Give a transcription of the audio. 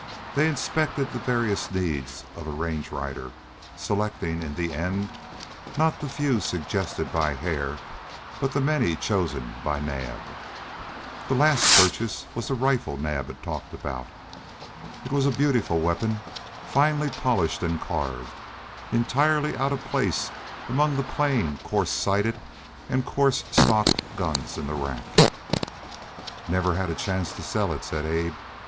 They inspected the various needs of a range rider, selecting, in the end, not the few suggested by Hare, but the many chosen by Naab. The last purchase was the rifle Naab had talked about. It was a beautiful weapon, finely polished and carved, entirely out of place among the plain coarse sighted and coarse stocked guns in the rack. "Never had a chance to sell it," said Abe.